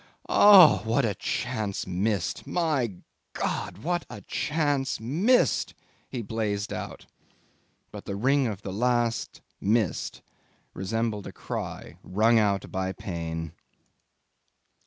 "Ah! what a chance missed! My God! what a chance missed!" he blazed out, but the ring of the last "missed" resembled a cry wrung out by pain.